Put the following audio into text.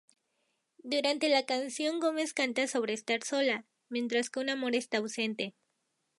Durante la canción Gomez canta sobre estar sola, mientras que un amor está ausente.